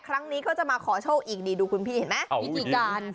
ครั้งนี้เขาจะมาขอโชคอีกดีดูคุณพี่เห็นไหม